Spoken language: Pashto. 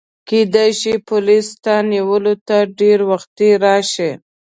کیدای شي پولیس ستا نیولو ته ډېر وختي راشي.